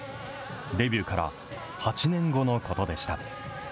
デビューから８年後のことでした。